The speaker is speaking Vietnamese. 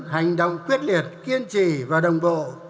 hành động quyết liệt kiên trì và đồng bộ